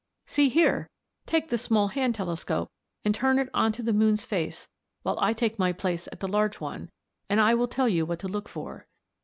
"See here! take the small hand telescope and turn it on to the moon's face while I take my place at the large one, and I will tell you what to look for.